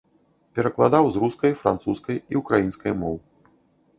Перакладаў з рускай, французскай і ўкраінскай моў.